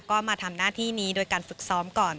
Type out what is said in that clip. ก็มาทำหน้าที่นี้โดยการฝึกซ้อมก่อน